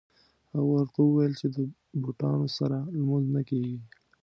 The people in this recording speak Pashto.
هغه ورته وویل چې د بوټانو سره لمونځ نه کېږي.